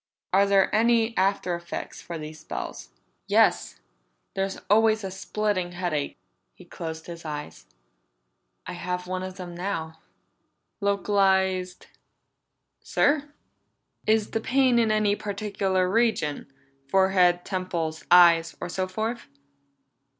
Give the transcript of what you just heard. Are there any after effects from these spells?" "Yes. There's always a splitting headache." He closed his eyes. "I have one of them now." "Localized?" "Sir?" "Is the pain in any particular region? Forehead, temples, eyes, or so forth?"